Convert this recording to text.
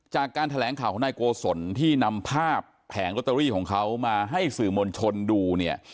จากการแถลงข่าวของนายโกศลที่นำภาพแผงลอตเตอรี่ของเขามาให้สื่อมวลชนดูเนี่ย